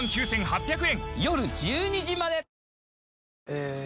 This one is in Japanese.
え